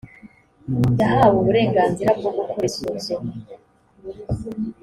yhawe uburenganzira bwo gukora isuzuma